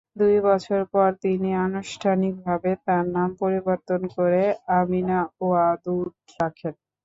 দুই বছর পর তিনি আনুষ্ঠানিকভাবে তার নাম পরিবর্তন করে "আমিনা ওয়াদুদ" রাখেন।